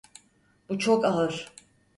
Bu çok ağır.